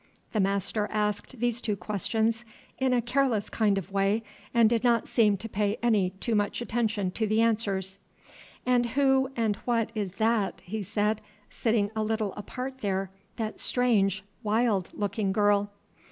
The master asked these two questions in a careless kind of way, and did not seem to pay any too much attention to the answers. "And who and what is that," he said, "sitting a little apart there, that strange, wild looking girl?"